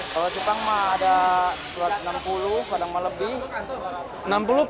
kalau cupang mah ada satu ratus enam puluh kadang mah lebih